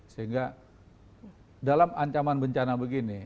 sehingga dalam ancaman bencana begini